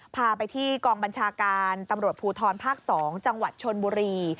พาไปที่กองบัญชาการตำรวจภูทรภาค๒จังหวัดชนบุรี